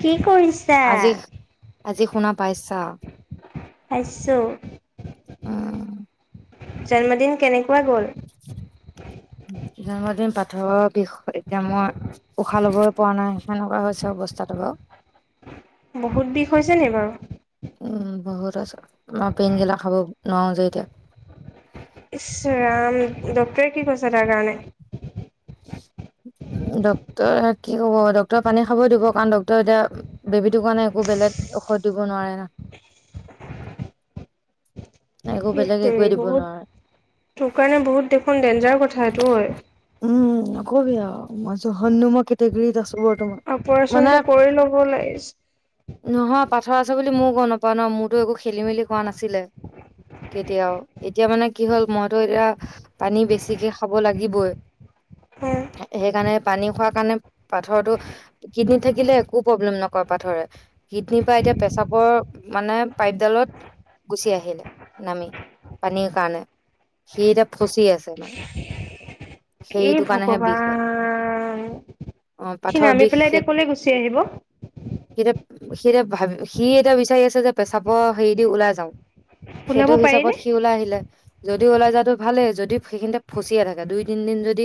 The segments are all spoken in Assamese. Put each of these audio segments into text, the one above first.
কি কৰিছা আজি আজি শুনা পাইচা পাইছো। উ জন্মদিন কেনেক জন্মদম পা ভৰি বিষ এতিয়া মই উশাহ লবলৈ পৰা নাই সেনেকুৱা হৈছে অৱস্থাটো বাৰু বহুত বিষ হৈছে নি বাৰু উম বহুত আছে মই পেইন কিলা খাব নোৱাৰো যে এতিয়া ই্চ ৰাম ডক্টৰে কি কৈছে তাৰ কাৰণে ডক্টৰে কি কব ডক্টৰে পানী খাব দিব কাৰণ ড্ক্টৰে এতিয়া বেবীটোৰ কাৰণে একো বেলেগ ঔষধ দিব নোৱাৰে নহয় সেইটেই বহুত তোৰ কাৰণে বহুত দেখোন ডেঞ্জাৰ কথাটোঐ অ জহননুমৰ কেটেগৰীত আছো বৰ্তমান মানে অপাৰচনটো কৰি ল'ব লাগিছে পথৰ আছে বুলি ময়ও গম নাপাওঁ ন মোৰতো একো খেলি মেলি কোৱা নাছিলে কেতিয়াও এতিয়া মানে কি হল মইতো এতিয়া পানী বেছি বেছিকৈ খাব লাগিবই সেইকাৰণে পানী খোৱাৰ কাৰণে পাথৰটো কিডনী থাকিলে একো প্ৰব্লেম নকৰে পাথৰে কিডনীৰ পৰা এতিয়া পেচাবৰ মানে পাইপডালত গুচি আহিলে নামি পানীৰ কাৰণে সি এতিয়া ফচি আছে মানে এ সেইটো কাৰণেহে বিষ হয় ভগৱান অ স পাথৰ নামি বিষ পেলাই সি এতিয়া কলে গুচি আহিব এতিয়া সি এতিয়া ভাবি সি এতিয়া বিচাৰি আছে যে পেচাবৰ হেৰি দি ওলাই যাওঁ ওলাব সেইটো হিচাপত পাৰিনে? সি ওলাই আহিলে যদি ওলাই যাৱাটো ভালেই যদি সেইখিনিতে ফচিয়ে থাকে দুই তিন দিন যদি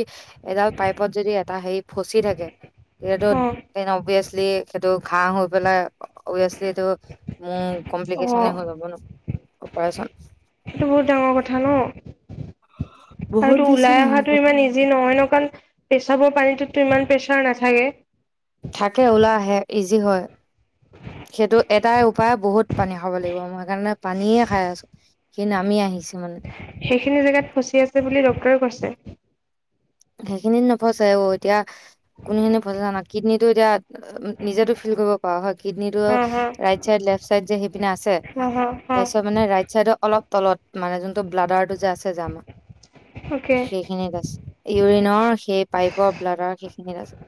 এডাল পাইপত যদি এটা হেৰি ফচি থাকে এইটো অ', দে ন বছ এইটো ঘ হৈ পেলাই হৈয় আছিলে এইটো ম কমপ্লিকেশ্যনে অ'। হৈ যাব ন অ পায়চা সেইটো বহুত ডাঙৰ কথা ন আৰুটো ওলাই অহাটো ইমান ইজি নহয় ন কাৰণ পেচাবৰ পানীত ইমান প্ৰেছাৰ নাথাকে থাকে ওলাই আহে ইজি হয় সেইটো এটাই উপায় বহুত পানী খাব লাগিব মই সেইকাৰণে পানীয়ে খাই আছো সি নামি আহিছে মানে সেইখিনি জেগাত ফচি আছে বুলি ডক্তৰে কৈছে সেইখিনিত নফচাই অ এতিয়া কোনো জনে ফচাই জানা কিডনীটো এতিয়া নিজেতো ফিল কৰিব পৰা হয় কিডনীটো হা হা ৰাইট চাইড লেফট চাইড যে সেই পিনে আছে হা হা হা তাৰপিছত মানে ৰাইট চাইডৰ অলপ তলত মানে যোনটো ব্লাডাৰটো যছে যামা অকে সেইখিনিছে ইউৰিনৰ সেই পাইপৰ ব্লাডৰ সেইখিনিত আছে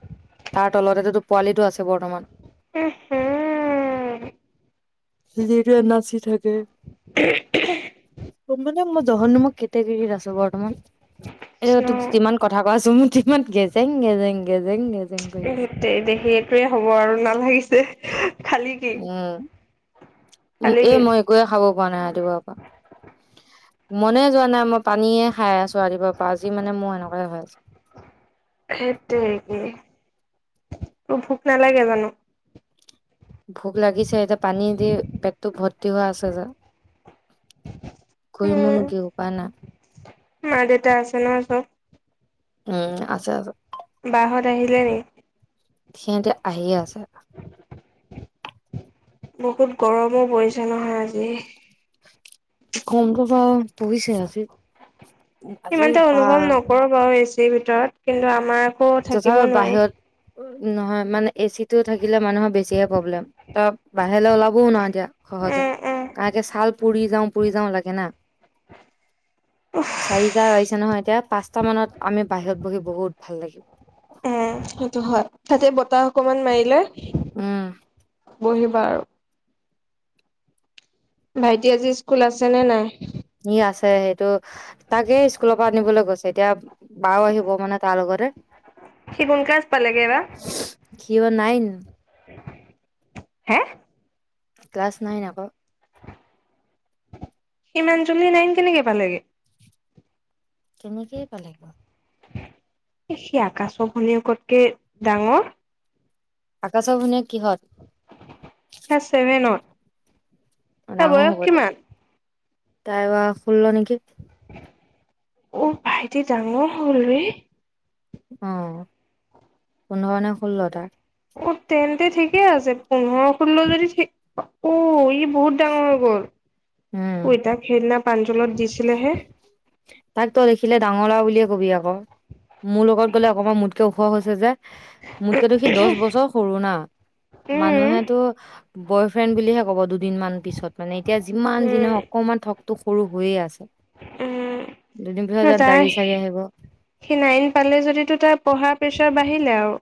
তাৰ তলতে ত পোৱালিটো আছে বৰ্তমান উম হু যিটো এন আৰ চি থাকে মানে মই জহন্ম কেতিয়া কেত আছো বৰ্তমান এ আচ্ছা তোক যিমান কথা কোৱাছোন মোৰ ইমান গেজেং গেজেং গেজ সতে দে সেইটোৱে হ'ব আৰু নালাগিছে হ উম খালি এ কি মই একোয়ে খাব খোৱা নাই ৰাতিপুৱাৰ পৰা মনে যোৱা নাই মই পানীয়ে খাই আছো ৰাতিপুৱাৰ পৰা আজি মানে মোৰ এনেকুৱাই হৈ আছে সেইটোৱেই ত ভোক নালাগে জানো ভোক লাগিছে এতিয়া পানী দি পেকতটো ভৰ্ত তিও আছে যা কৰি উম মোৰনো কি উপায় নাই মা দেউতা আছে ন চব উম আছে আ বাহত আহিলে নে সিহঁতে আহিয়ে আছা বহুত গৰমো পৰিছে নহয় আজি কমটো প পইছে আজি আজি ইমান এটা পৰা অনুভৱ নকৰো বাৰু এচিৰ ভিতৰত কিন্তু আমাৰ আক থাকিব নোৱাৰি বাহিৰত নহয় মানে এচি টো থাকিলে মানুহৰ বেছিহে প্ৰব্লেম ত লাহে লে ওলাবও ন এতিয়া সহজত উম উম তাকে ছাল পুৰি যাওঁ পুৰি যাওঁ লাগে না চাৰিটা আহিছে নহয় এতিয়া পাঁচটা মানত আমি বাহিৰত বহি বহুত ভাল লাগিব উম সেইটো হয় তাতে বতাহ অকমান মাৰিলে উম বহিবা আৰু ভাইটি আজি স্কুল আছে নে নাই ই আছে সেইটো তাকে স্কুলৰ পৰা আনিবলৈ গৈছে এতিয়া বাও আহিব মানে তাৰ লগতে সি কোন ক্লাছ পালেগে এইবাৰ কি নাইন হে ক্লাছ নাইন আকৌ সিমান জলি নাইন কেনেকে পালেগে তেনেকেই পালেগে সি আকাশৰ ভনীৰ কতকে ডাঙৰ আকাচ ভনিয়েক [unintelligible] ছেভনত [inaudible] ত ডাঙৰ বয়স হ'ব কিমান তাই বা ষুল্ল নেকি অ ভাইটি ডাঙৰ হ'ল ৰে অ পোন্ধৰনে উ তেন্তে ঠিক ঠিকে আছে পোন্ধৰ ষোল্ল যদি [unintelligible] অ ই বহুত ডাঙৰ হৈ গ'ল উম পইতা খেল ন পাঞ্জলত দিছিলেহে তাক তই লিখিলে ডাঙৰ লাআ বুলিয়ে কবি আকৌ মোৰ লগত গ'লে অকমান মোতকে ওখ হৈছে যে মোতকেতো সি দহ বছৰ সৰু না উম মানুহেতো বয় ফ্ৰেণ্ড বুলিহে ক'ব দুদিনমান পিছত মানে এতিয়া যিমান যি উম নহক অকণমান থক টো সৰু হৈয়ে আছে উম দুদিন পিছত ন ইয়াত দাড়ি তাৰ চাৰি আহিব সি নাইন পালে যদি তো তাৰ পঢ়া প্ৰেছাৰ বা আহিলে আৰু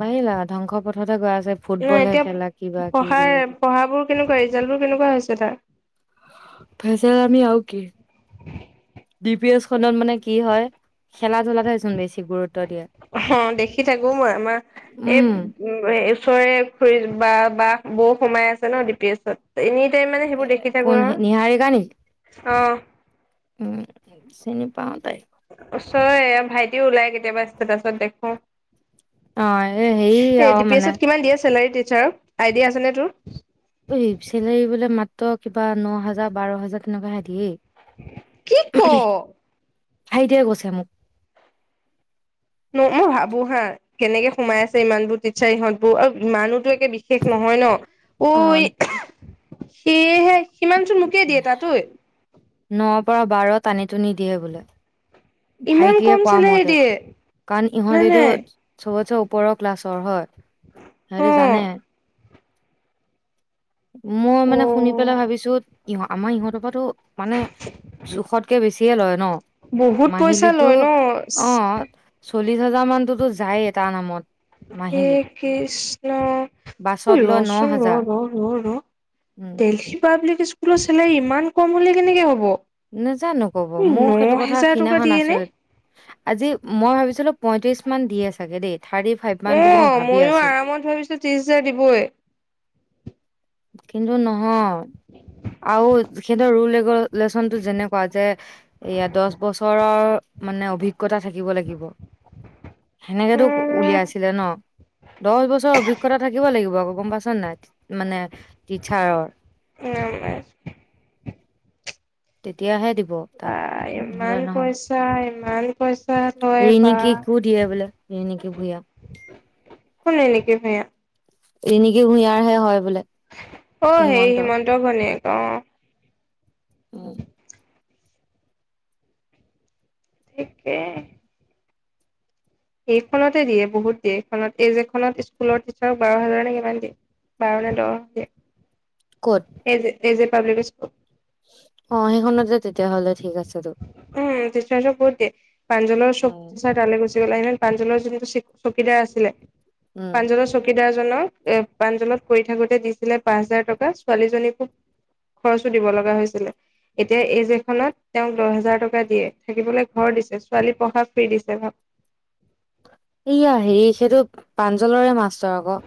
বাঢ়িল আৰু ধ্বংস পথতে গৈ আছে নাই ফুটবলহে এতিয়া খেলা কিবা কিবি পঢ়াৰ পঢ়া বোৰ কেনেকুৱা ৰিজাল্ট বোৰ কেনেকুৱা হৈছে তাৰ ফেচমি আও কি ডি পি এছ খত মানে কি হয় খেলা ধূলাতেচোন বেছি গুৰুত্ব দিয়ে অ দেখি থাকো মই আমাৰ এই উম উ ওচৰে খুৰি বা বা বৌ সোমাই আছে ন ডি পি এছত এনে মানে এ সেইবোৰ দেখি থাকো কোন আৰু, নিহাৰিকা নেকি? অ'। উম, চিনিপাও। অচয় ভাইটিও ওলাই কেতিয়াবা ষ্টটাছত দেখো। অ' এ হেৰী আৰু মানে। াৰ আইডিয়া আছে নে তোৰ? এই চেলেৰি বোলে মাত্ৰ কিবা ন হাজাৰ বাৰ হাজাৰ তেনেকুৱা হে দিয়েই। কি কঃ? ভাইটিয়ে কৈছে মোক। মই ভাবো হা কেনেকে সোমাই আছে ইমান বোৰ টিছাৰ ইহঁত বোৰ আৰু ইমানোতো একে বিশেষ নহয় ন? অ', অই সেইহে সিমান চোন মোকে দিয়ে তাত অই। ন পৰা বাৰ টানিটো নিদিয়ে বোলে। ইমান ভাইটিয়ে কম কোৱা চেলেৰি মতে, দিয়ে কাৰণ নে নাই ইহঁতেতটো চ'ব ওপৰৰ ক্লাছৰ হয়। অ শেহতি জানে। মই অ মানে শুনি পেলাই ভাবিছো, ইহ আমাৰ ইহঁতৰ পৰাো মানে জোখতকে বেছিয়ে লয় ন? বহুত পইচা নাহিলিটো, লয় ন অহ, চল্লিশ হেজাৰ মান তো যায় টাাৰ নামত। মাহিলী। এই কৃষ্ণ, ঐ বাছত লয় ন ৰচোন হাজাৰ ৰ-ৰ-ৰ-ৰ উম দেলহী পাব্লিক স্কুলৰ চেলেৰী ইমান কম হ'লে কেনেকে হ'ব? নজানো ক'ব, মৌ ন সেইটো কথা হেজাৰ টকা খিনাখন দিয়ে নে আচৰিত আজি, মই ভাবিছিলো পঁয়ত্ৰিশ মান দিে চাগে দেই। থাৰ্টি ফাইভ মান অ বুলি মই ভাবি ময়ো আছিলো আৰামত ভাবিছো ত্ৰিশ হোজাৰ দিবই। কিন্তু নহয়। আউ তেখেতৰ ৰোল ৰেগুলেশচনতো যেনকুৱা যে এয়া দহ বছৰৰ মানে অভিজ্ঞতা থাকিব লাগিব। সেনেকেতো উম উলিয়াইছিলে ন, দহ বছৰৰ অভিজ্ঞতা থাকিব লাগিব আকৌ গম পাইছানে নাই? টিচাৰৰ নমস্কাৰ তেতিয়াহে দিব তাত বাঁহ ইমান পইচা ইমান ক ৰিণিকীকো দিয়ে বোলে ৰিণিকি ভূঞা। কোনে নেকি ভূঞা ৰিনিকি ভূঞাৰ হে হয় বোলে। অ', হেই হিমন্ত হিমন্তৰ ঘৈনিয়েক। অ'। উম ঠিকে। এইখনতে দিয়ে বহুত দিয়ে এইখনত এই যে স্কুলৰ টিচাৰক বাৰ হাজাৰ নে কিমান দিয়ে বাৰ নে দহ দিয়ে। ক'ত সেই যে এজ এ পাব্লিক স্কুল। অ', সেইখনতে তেতিয়া হ'লে ঠিক আছে। তো হম, তেতিয়াটো বহুত দিয়ে পাঞ্জল চব্জি উম চা তালে গছে। প্ৰাঞ্জলৰ যোনটো চি চকীদাৰ আছিলে। উম প্ৰাঞ্জলৰ চকীদাৰ হেল্ল' এ পাঞ্জলত কৰি থাকোতে দিছিলে পাঁচ হাজাৰ টকা ছোৱালীজনীকো খৰচো দিব লগা হৈছিলে এতিয়া এইজ এখনত তেওঁক দহ হোজাৰ টকা দিয়ে থাকিবলৈ ঘৰ দিছে ছোৱালী পঢ়া ফ্ৰী দিছে ভাব। এইয়া হেৰি সেইটো প্ৰাঞ্জলৰে মাষ্টাৰ আকৌ।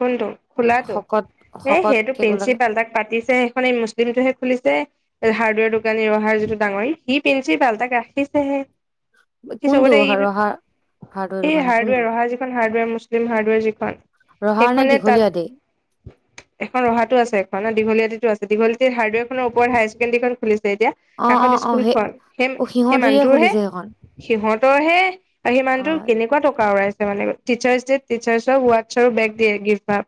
কোনটো? খোলাটো শকত এ শকত সেইটো কেক প্ৰিন্ঞ্চিপালহে তাক পাতিছ সেইখননে এই মুছলিমটোহে খুলিছে হাৰ্ডৱেৰ দোকানী অহাৰ যিটো ডাঙৰি সি পিন্ধছিল পালটাক ৰাখিছেহে। সি কোনটো চবতে এই ৰহা হাৰ্ডৱেৰ এই দোকানী হাৰ্ডৱেৰ কোনটো অহা যিখন হাৰ্ডৱেৰ মুছলিম হাৰ্ডৱেৰ যিখন। ৰহাৰ নে সেইখনে তাত দীঘলীয়া দেই এখন ৰহাটো আছে এফালে দীঘলীয়াটিত দীঘালিয়েটি হাৰডেৰ খনৰ ওপৰত হায়াৰ ছেকেনদেৰিখন খুলিছ এতিয়া অ অ কাষত অ স্কুল সেই খন সেই অ সেই সিহঁতৰিয়ে মানুহটোৰ হে খুলিছে সেইখন সিহঁতৰ হে আৰু সেই মানুহটোৰ আহ, কেনেকুৱা টকা উৰাইছে। সে মানে টিচাৰচ ডে ত টিচাৰচক ওৱাট্চ আৰু বেগ দিয়ে গিফ্ট ভাব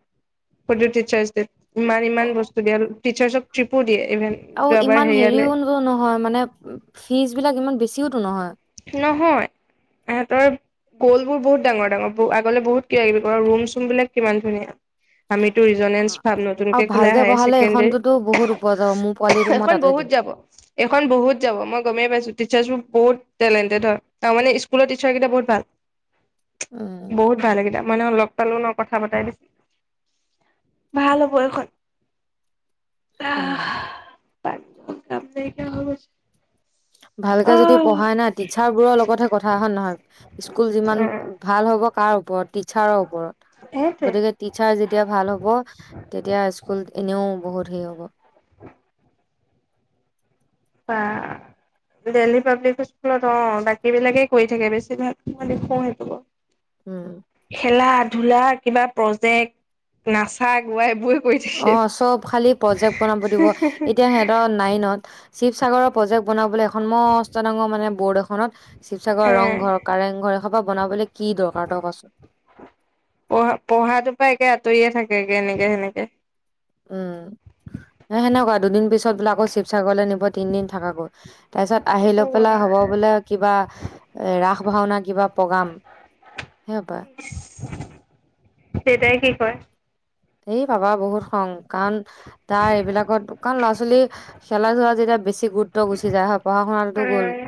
সেইটো টিচাৰ্চ ডে ত। ইমান ইমান অ বস্তু দিয়ে আৰু টিচাৰ্চক ট্ৰিপো দিয়ে। ইভেন আৰু যোৱাবাৰ ইমান হেৰিয়ালে হেৰিও নহয় মানে ফিজ বিলাক ইমান বেছিওতো নহয়। গ'ল বোৰ বহুত ডাঙৰ ডাঙৰ আগ বহুত ক লাগিব ৰুম চুম বিলাক কিমান ধুনীয়া। আমিতো ৰিজনেন্চ পাম নতুনকে আৰু খোলা ভালকে হায়াৰ পঢ়ালে ছেকেণ্ডাৰী এইখনতোতো বহুত ওপৰ যাব মোৰ পোৱালিটো মই এইখন তাতে বহুত দিম যাব, এইখন বহুত যাব মই গমেই পাইছো তে টিচাৰ্চোৰ বহুত টেলেণ্টেড হয় তাৰ মানে স্কুলৰ টিচাৰ কেইটা বহুত ভাল। উম বহুত ভাল লাগিলে। মানে লগ পালো ন কথা পতাই দিছিল, ভাল হ'ব এইখন। উম। কাম নাইকিয়া হৈ গৈছে। ভালকে যদি অহ পঢ়ায় না, টিচাৰবোৰৰ লগতহে কথা হয় নে নহয়। স্কুল যিমান ভাল হ'ব কাৰ ও ওপৰত টিচাৰৰ ওপৰত, সেইটোৱে গতিকে টিচাৰ যেতিয়া ভাল হ'ব। তেতিয়া স্কুল এনেও বহুত যি হব [unintelligible] বাহ্, দিল্লী পাব্লিক স্কুলত অ', বাকী বিলাকেই কৰি থাকে, বেছিভাগ [unintelligible] সহায় কৰিব। উম খেলাত ধূলা, কিবা প্ৰজেক্ট, নাচা-গোৱা এইবোৰ অ', চব খালি প্ৰজেক্ট বনাব দিব। এতিয়া সিহঁতৰ নাইনত শিৱসাগৰৰ প্ৰজেক্ট বনাবলৈ, এখন মষ্ট ডাঙৰ মানে, বৰ্ড এখনত অহ শিৱসাগৰৰ ৰংঘৰ, কাৰেংঘৰে হ সোপা বনাবলৈ কি দৰকাৰ তই কচোন পঢ়া-পঢ়াটো পৰা একে আঁতৰিয়ে থাকে। গতিকে এনেকে-সেনেকে উম, এ সেনেকুৱা দুদিন পিছ পিছত বোলে, আকৌ শিৱসাগৰলৈ নিব তিনদিন থাকাকৈ। তাৰ পিছত আহি লৈ পেলাই অ', হ'ব বোলে, কিবা এ ৰাস ভাওনা কিবা প্ৰগ্ৰাম। সেইসোপা। দেউতাই কি কয়। এই বাবা বহুত খং, কাৰণ তাৰ এইবিলাকত কাৰণ ল'ৰা-ছোৱালী খেলা-ধূলা যেতিয়া বেছি গুৰুত্ব গুচি যায়, [unintelligible] গ'ল হয়,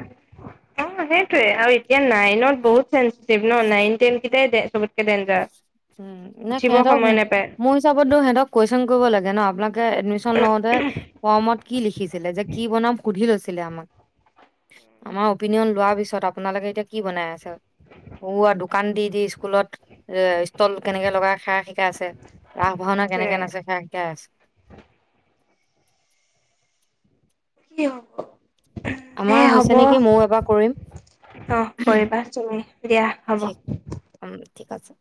অ', সেইটোৱে আৰু এতিয়া নাইনত বহুত চেন [unintelligible] নাইন-টেন্ট কেইটায়েই দে, চবতকে ডেঞ্জাৰ। উম, নাই উঠিব সিহঁতক, সময় নাপায় মোৰ হিচাপতো সিহঁতক কুৱেশচন কৰিব লাগে। ন', আপোনালোকে এডমিশ্যন লওতে ফৰ্মত কি লিখিছিলে। যে কি বনাম সুধি লৈছি লে আমাক। আমাৰ অপিনিয়ন লোৱাৰ পিছত, আপোনালোকে এতিয়া কি বনাই আছে। ওৱা, দুক কান দি দি স্কুলত লত কেনেকে লগাই খাই শিকাই আছে। ৰাস-ভ‌ওঁনা সেইটোৱে কেনেকে নাচে সেয়া শিকাই আছে। কি হ'ব। এ আমাৰ হ'ব হৈছে নেকি। ম‌ইও এবাৰ কৰিম। অ উহ্হ কৰিবা তুমি দিয়া হ'ব ঠিক উম ঠিক আছে।